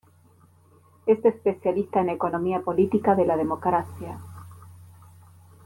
Es especialista en economía política de la democracia.